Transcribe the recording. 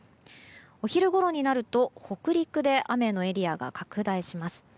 お昼ごろになると北陸で雨のエリアが拡大します。